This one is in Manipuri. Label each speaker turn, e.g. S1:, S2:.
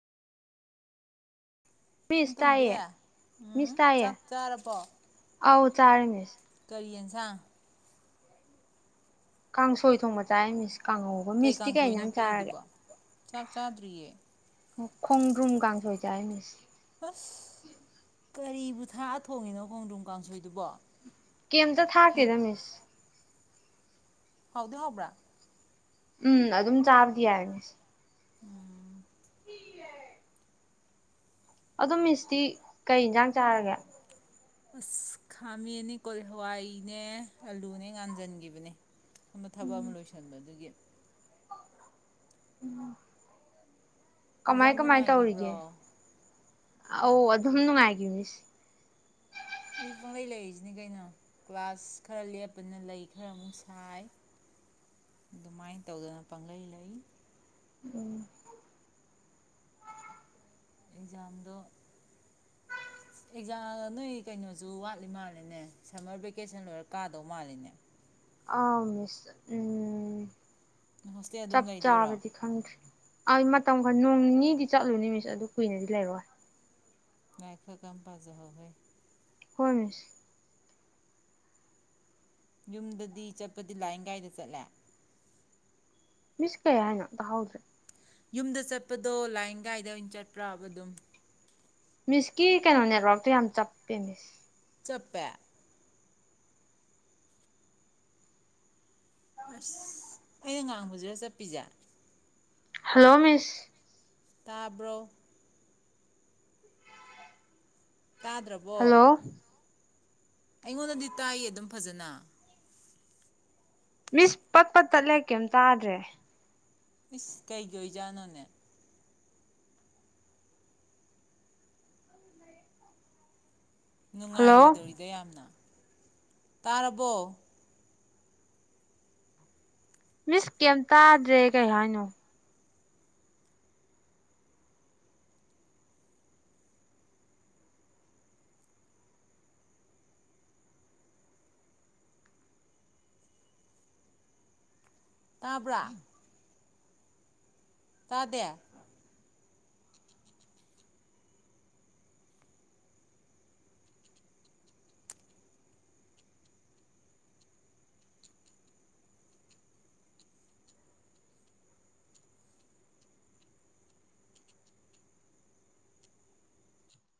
S1: ꯃꯤꯁ
S2: ꯁꯤꯟꯇꯣꯝꯕꯤ
S1: ꯇꯥꯏꯌꯦ
S2: ꯎꯝ
S1: ꯃꯤꯁ ꯇꯥꯏꯌꯦ
S2: ꯆꯥꯛ ꯆꯥꯔꯕꯣ
S1: ꯑꯧ ꯆꯥꯔꯦ ꯃꯤꯁ
S2: ꯀꯔꯤꯌꯦꯟꯁꯥꯡ
S1: ꯀꯥꯡꯁꯣꯏ ꯊꯣꯡꯕ ꯆꯥꯏ ꯃꯤꯁ ꯀꯥꯡꯍꯧꯕ
S2: ꯀꯩ
S1: ꯃꯤꯁꯇꯤ
S2: ꯀꯥꯡꯁꯣꯏꯅꯣ
S1: ꯀꯩꯖꯥꯡ ꯆꯥꯔꯒꯦ
S2: ꯄꯤꯔꯤꯗꯨꯕꯣ ꯆꯥꯛ ꯆꯥꯗ꯭ꯔꯤꯌꯦ
S1: ꯈꯣꯡꯗ꯭ꯔꯨꯝ ꯀꯥꯡꯁꯣꯏ [unintelligible]
S2: ꯍꯁ ꯀꯔꯤꯕꯨ ꯊꯥꯛꯑ ꯊꯣꯡꯉꯤꯅꯣ ꯈꯣꯡꯗ꯭ꯔꯝ ꯀꯥꯡꯁꯣꯏꯗꯨꯕꯣ
S1: ꯀꯩꯝꯇ ꯊꯥꯛꯀꯦꯗ ꯃꯤꯁ
S2: ꯍꯥꯎꯗꯤ ꯍꯥꯎꯕ꯭ꯔꯥ
S1: ꯎꯝ ꯑꯗꯨꯝ ꯆꯥꯕꯗꯤ ꯌꯥꯢ ꯃꯤꯁ
S2: ꯎꯝ
S1: ꯑꯗꯣ ꯃꯤꯁꯇꯤ ꯀꯩ ꯌꯦꯟꯖꯥꯡ ꯆꯥꯔꯒꯦ
S2: ꯑꯁ ꯈꯥꯃꯦꯟꯅꯦ ꯀꯣꯜꯂꯤ ꯍꯋꯥꯏꯅꯦ ꯑꯂꯨꯅꯦ ꯉꯥꯟꯖꯤꯟꯒꯤꯕꯅꯦ ꯑꯃ ꯊꯕꯛ
S1: ꯎꯝ
S2: ꯑꯃ ꯂꯣꯏꯁꯤꯟꯕ ꯑꯗꯨꯒꯤ
S1: ꯎꯝ ꯀꯃꯥꯏ
S2: ꯑꯦꯛꯖꯥꯝ
S1: ꯀꯃꯥꯏ
S2: ꯅꯨꯡꯉꯥꯏꯈꯤꯕ꯭ꯔꯣ
S1: ꯇꯧꯔꯤꯒꯦ ꯑꯧ ꯑꯗꯨꯝ ꯅꯨꯡꯉꯥꯏꯒꯤ ꯃꯤꯁ
S2: ꯑꯩ ꯄꯪꯂꯩ ꯂꯩꯔꯤꯁꯤꯅꯤ ꯀꯩꯅꯣ ꯀ꯭ꯂꯁ ꯈꯔ ꯂꯦꯞꯄꯅꯤꯅ ꯂꯩ ꯈꯔ ꯑꯃꯨꯛ ꯁꯥꯏ ꯑꯗꯨꯃꯥꯏꯅ ꯇꯧꯗꯅ ꯄꯪꯂꯩ ꯂꯩ
S1: ꯎꯝ
S2: ꯑꯦꯛꯖꯥꯝꯗꯣ ꯑꯦꯛꯖꯥꯝ ꯅꯣꯏ ꯀꯩꯅꯣꯁꯨ ꯋꯥꯠꯂꯤ ꯃꯥꯜꯂꯤꯅꯦ ꯁꯝꯃꯔ ꯚꯦꯀꯦꯁꯟ ꯂꯣꯏꯔ ꯀꯥꯗꯧ ꯃꯥꯜꯂꯦꯅꯦ
S1: ꯑ ꯃꯤꯁ ꯎꯝ
S2: ꯍꯣꯁꯇꯦꯜ ꯑꯗꯨꯝ
S1: ꯆꯞ
S2: ꯂꯩꯗꯣꯏꯔꯣ
S1: ꯆꯥꯕꯗꯤ ꯈꯪꯗ꯭ꯔꯤ ꯑꯩ ꯃꯇꯝ ꯈꯔ ꯅꯣꯡ ꯅꯤꯅꯤꯗꯤ ꯆꯠꯂꯨꯅꯤꯅꯤ ꯃꯤꯁ ꯑꯗꯨ ꯀꯨꯏꯅꯗꯤ ꯂꯩꯔꯣꯏ
S2: ꯂꯥꯢ ꯈ ꯀꯟ ꯄꯖꯍꯧ ꯍꯦ
S1: ꯍꯣꯏ ꯃꯤꯁ
S2: ꯌꯨꯝꯗꯗꯤ ꯆꯠꯄꯗꯤ ꯂꯥꯏꯟ ꯒꯥꯏꯗ ꯆꯠꯂꯦ
S1: ꯃꯤꯁ ꯀꯩ ꯍꯥꯏꯅꯣ ꯇꯥꯍꯧꯗ꯭ꯔꯦ
S2: ꯌꯨꯝꯗ ꯆꯠꯄꯗꯣ ꯂꯥꯏꯟ ꯒꯥꯏꯗ ꯑꯣꯏꯅ ꯆꯠꯄ꯭ꯔꯕ ꯑꯗꯨꯝ
S1: ꯃꯤꯁꯀꯤ ꯀꯩꯅꯣ ꯅꯦꯠꯋꯔꯇꯣ ꯌꯥꯝ ꯆꯞꯄꯦ ꯃꯤꯁ
S2: ꯆꯞꯄꯦ ꯑꯁ ꯑꯩꯅ ꯉꯥꯡꯕꯖꯤꯔꯣ ꯆꯠꯄꯤꯁꯦ
S1: ꯍꯜꯂꯣ ꯃꯤꯁ
S2: ꯇꯥꯕ꯭ꯔꯣ ꯇꯥꯗ꯭ꯔꯕꯣ
S1: ꯍꯜꯂꯣ
S2: ꯑꯩꯉꯣꯟꯗꯗꯤ ꯇꯥꯏꯌꯦ ꯑꯗꯨꯝ ꯐꯖꯅ
S1: ꯃꯤꯁ ꯄꯛꯄ ꯇꯠꯂꯦ ꯀꯩꯝ ꯇꯥꯗ꯭ꯔꯦ
S2: ꯏꯁ ꯀꯩꯒꯤ ꯑꯣꯏꯖꯥꯠꯅꯣꯅꯦ
S1: ꯍꯜꯂꯣ
S2: ꯅꯨꯡꯉꯥꯏꯔꯣꯏꯗꯧꯔꯤꯗ ꯌꯥꯝꯅ ꯇꯔꯔꯕꯣ
S1: ꯃꯤꯁ ꯀꯩꯝ ꯇꯥꯗ꯭ꯔꯦ ꯀꯩ ꯍꯥꯏꯅꯣ
S2: ꯇꯥꯕ꯭ꯔꯥ ꯇꯗ